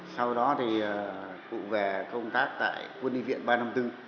sau đó thì cụ về công tác tại quân y viện ba trăm năm mươi bốn